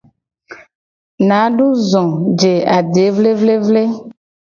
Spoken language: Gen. Nadu zo je ade vlevlevle.